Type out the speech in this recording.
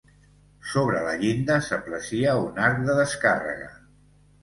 Sobre la llinda s’aprecia un arc de descàrrega.